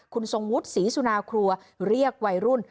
คุณทรงวุฒิศรีสุนาครัวเรียกวัยรุ่น